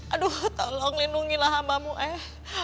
aduh tolong lindungilah hambamu eh